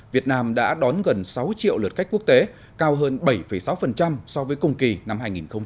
việt nam đã đón gần sáu triệu lượt khách quốc tế cao hơn bảy sáu so với cùng kỳ năm hai nghìn một mươi tám